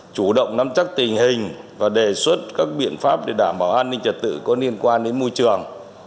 chủ động nắm chắc tình hình và đề xuất các biện pháp để đảm bảo an ninh trật tự có liên quan đến môi trường